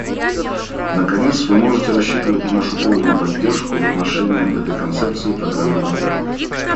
Наконец, вы можете рассчитывать на нашу полную поддержку в отношении этой концепции программы работы.